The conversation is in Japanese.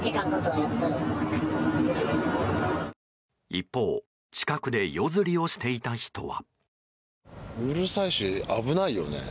一方近くで夜釣りをしていた人は。